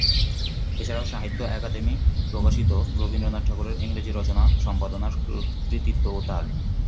এ ছাড়াও সাহিত্য অকাদেমি প্রকাশিত রবীন্দ্রনাথ ঠাকুরের ইংরেজি রচনা সম্পাদনার কৃতিত্ব-ও তার।